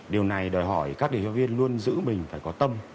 điều này đòi hỏi các điều tra viên luôn giữ mình phải có tâm